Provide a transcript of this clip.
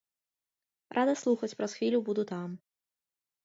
Рада слухаць, праз хвілю буду там.